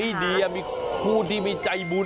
เฮ้ยดีอ่ะมีครูที่มีใจบุญ